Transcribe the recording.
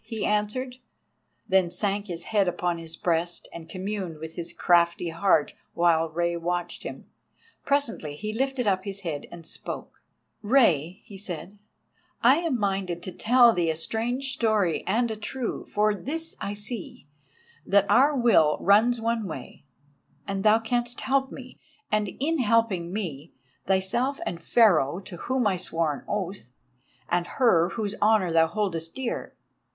he answered, then sank his head upon his breast and communed with his crafty heart while Rei watched him. Presently he lifted up his head and spoke: "Rei," he said, "I am minded to tell thee a strange story and a true, for this I see, that our will runs one way, and thou canst help me, and, in helping me, thyself and Pharaoh to whom I swore an oath, and her whose honour thou holdest dear.